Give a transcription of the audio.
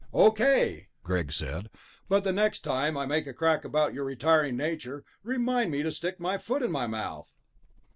"Okay," Greg said, "but the next time I make a crack about your retiring nature, remind me to stick my foot in my mouth."